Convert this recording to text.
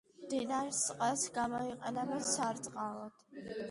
მდინარის წყალს გამოიყენებენ სარწყავად.